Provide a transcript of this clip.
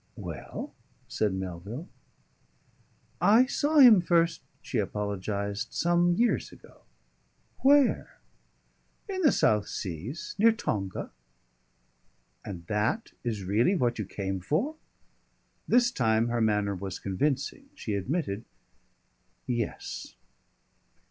"Well?" said Melville. "I saw him first," she apologised, "some years ago." "Where?" "In the South Seas near Tonga." "And that is really what you came for?" This time her manner was convincing. She admitted, "Yes."